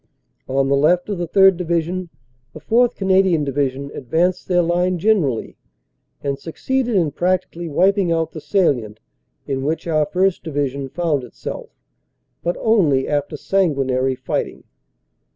On the left of the 3rd. Division, the 4th. Canadian Divi sion advanced their line generally and succeeded in practically wiping out the salient in which our 1st. Division found itself, but only after sanguinary fighting.